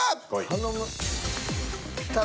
頼む。